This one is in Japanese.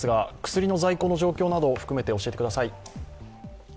薬の在庫の状況など含めて教えてください。